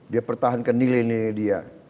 dia pertahankan nilai nilai dia